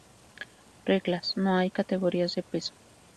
Reglas: No hay categorías de peso.